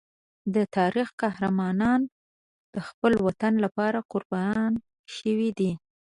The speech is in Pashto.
د تاریخ قهرمانان د خپل وطن لپاره قربان شوي دي.